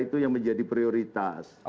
itu yang menjadi prioritas